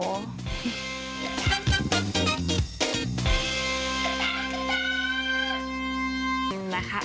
โอ้โฮ